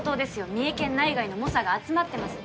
三重県内外の猛者が集まってます